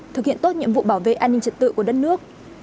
thực hiện tốt nhiệm vụ bảo vệ an ninh trật tự của đất nước